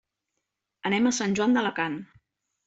Anem a Sant Joan d'Alacant.